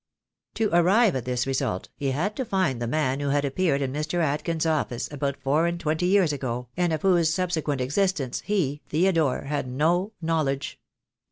To arrive at this result he had to find the man who had appeared in Mr. Adkins' office about four and twenty years ago, and of whose subsequent existence he, Theodore, had no knowledge.